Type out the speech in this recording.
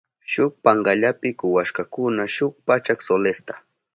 Shuk pankallapi kuwashkakuna shuk pachak solesta.